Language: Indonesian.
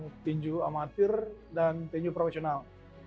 petinju amatir dan tinju profesional